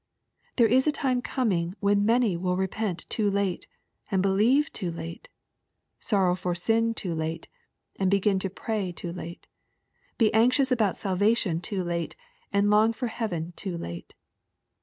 There is a time coming when many will repent too late, and believe too late, — sorrow for sin too late, and begin to pray too late, — be anxious about salvation too late, and long for heaven too late.